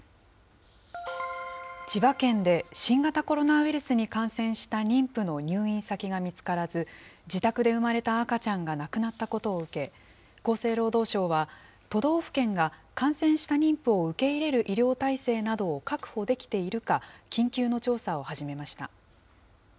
千葉県で、新型コロナウイルスに感染した妊婦の入院先が見つからず、自宅で産まれた赤ちゃんが亡くなったことを受け、厚生労働省は、都道府県が感染した妊婦を受け入れる医療体制などを確保できているか、緊急の調査を始めました。